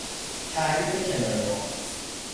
تعریف کنایهآمیز